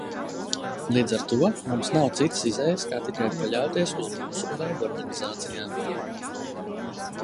Līdz ar to mums nav citas izejas kā tikai paļauties uz mūsu raidorganizācijām.